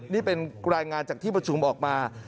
นี่เป็นรายงานจากที่ประชุมออกมา